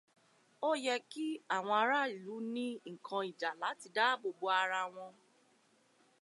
Ó yẹ kí àwọn ará ìlú ní nǹkan ìjà láti dáàbò bo ara wọn